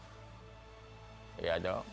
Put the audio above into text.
masih mengengkel terus dengan diti itu